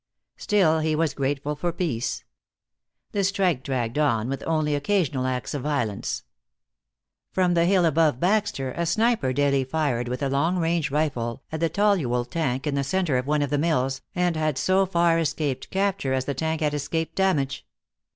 Still, he was grateful for peace. The strike dragged on, with only occasional acts of violence. From the hill above Baxter a sniper daily fired with a long range rifle at the toluol tank in the center of one of the mills, and had so far escaped capture, as the tank had escaped damage.